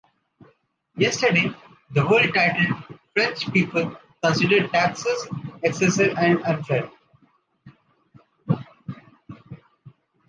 Yesterday, The World titled “French people consider taxes excessive and unfair.